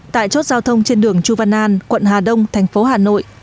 tại chốt giao thông trên đường chu văn an quận hà đông thành phố hà nội